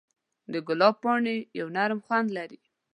د ګلاب پاڼې یو نرم خوند لري.